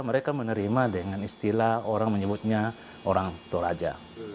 mereka menerima dengan istilah orang menyebutnya orang toraja